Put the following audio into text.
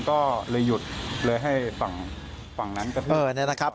ก็เลยหยุดเลยให้ฝั่งนั้นกระเบิด